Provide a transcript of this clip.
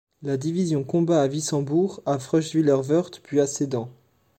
La division combat à Wissembourg, à Frœschwiller-Wœrth puis à Sedan.